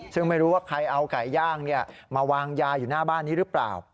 ซึ่งไม่รู้ว่าใครเอาไก่ย่างมาวางยาอยู่หน้าบ้านนี้หรือเปล่า